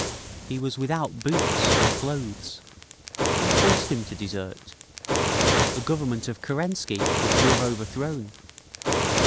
He was without boots, or clothes…. Who forced him to desert? The Government of Kerensky, which you have overthrown!"